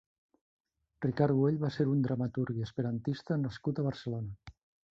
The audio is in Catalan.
Ricard Güell va ser un dramaturg i esperantista nascut a Barcelona.